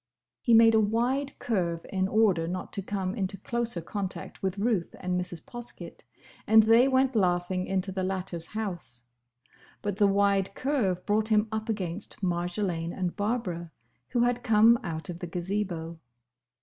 He made a wide curve in order not to come into closer contact with Ruth and Mrs. Poskett, and they went laughing into the latter's house. But the wide curve brought him up against Marjolaine and Barbara, who had come out of the Gazebo.